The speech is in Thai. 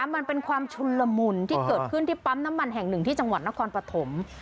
มันเป็นความชุนละมุนที่เกิดขึ้นที่ปั๊มน้ำมันแห่งหนึ่งที่จังหวัดนครปฐม